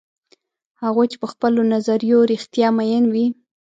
هغوی چې په خپلو نظریو رښتیا میین وي.